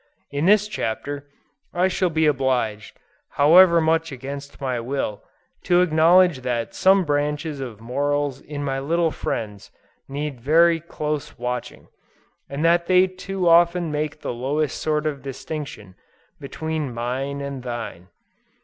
In this chapter, I shall be obliged, however much against my will, to acknowledge that some branches of morals in my little friends, need very close watching, and that they too often make the lowest sort of distinction, between "mine and thine."